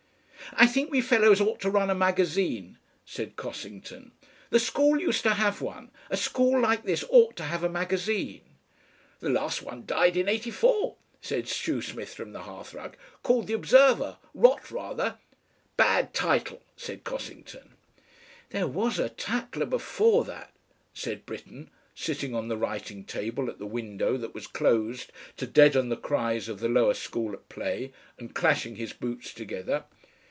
"I think we fellows ought to run a magazine," said Cossington. "The school used to have one. A school like this ought to have a magazine." "The last one died in '84," said Shoesmith from the hearthrug. "Called the OBSERVER. Rot rather." "Bad title," said Cossington. "There was a TATLER before that," said Britten, sitting on the writing table at the window that was closed to deaden the cries of the Lower School at play, and clashing his boots together.